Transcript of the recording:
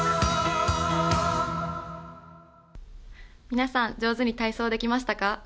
皆さん上手に体操できましたか？